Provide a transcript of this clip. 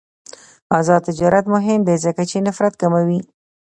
آزاد تجارت مهم دی ځکه چې نفرت کموي.